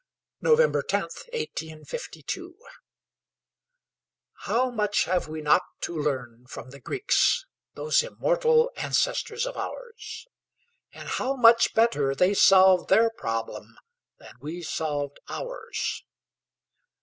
November 10th, 1852. How much have we not to learn from the Greeks, those immortal ancestors of ours! And how much better they solved their problem than we have solved ours!